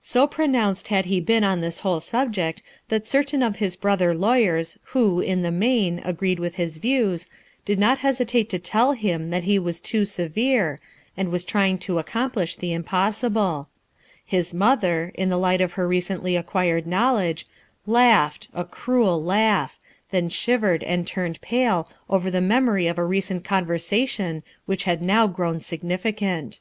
So pronounced had he been on this whole subject that certain of his brother lawyers who, in the main, agreed with his views, did not hesitate to tell him that he was too severe, and was trying to accomplish the impossible His mother, in the light of her recently acquired knowledge, laughed, a cruel laugh, then shivered and turned pale over the memory of a recent conversation which had now grown significant.